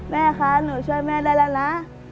แม่คะหนูช่วยแม่ได้แล้วนะ